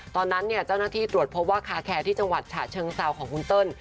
ตอนนั้นเจ้าหน้าที่ตรวจพบว่าคาแคร์ที่จังหวัดฉะเชิงเซาของคุณเติ้ล